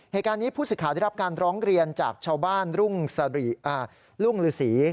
เหตุการณ์นี้ผู้สิทธิ์ได้รับการร้องเรียนจากชาวบ้านรุ่งฤษี